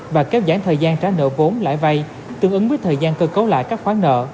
và kéo giảm thời gian trả nợ vốn lãi vay tương ứng với thời gian cơ cấu lại các khoản nợ